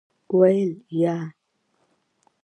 ویل : یا .